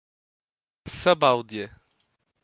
Sabáudia